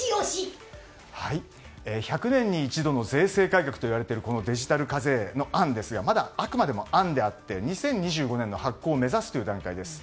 １００年に一度の税制改革といわれているデジタル課税の案ですがまだ、あくまでも案であって２０２５年の発効を目指すという段階です。